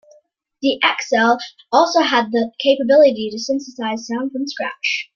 The Acxel also had the capability to synthesise sounds from scratch.